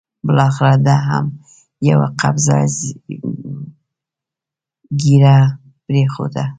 بالاخره ده هم یوه قبضه ږیره پرېښوده.